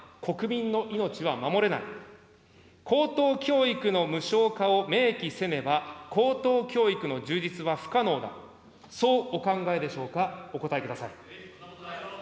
緊急事態条項を書かねば国民の命は守れない、高等教育の無償化を明記せねば、高等教育の充実は不可能と、そうお考えでしょうか、お答えください。